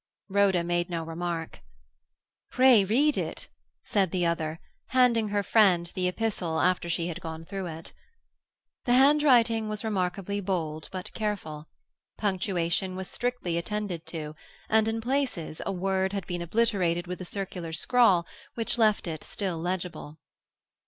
Rhoda made no remark. "Pray read it," said the other, handing her friend the epistle after she had gone through it. The handwriting was remarkably bold, but careful. Punctuation was strictly attended to, and in places a word had been obliterated with a circular scrawl which left it still legible.